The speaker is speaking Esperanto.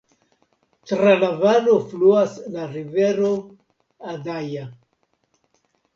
Tra la valo fluas la rivero Adaja.